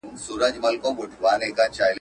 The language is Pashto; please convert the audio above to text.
که لومړۍ ورځ يې پر غلا واى زه ترټلى.